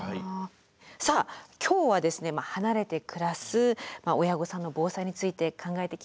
さあ今日は離れて暮らす親御さんの防災について考えてきました。